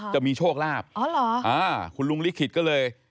จะมีโชคลาบคุณลุงลิขิตก็เลย